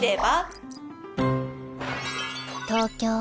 東京